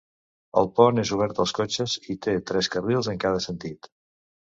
El pont és obert als cotxes i té tres carrils en cada sentit.